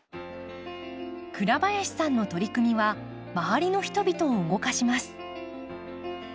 倉林さんの取り組みは周りの人々を動かします。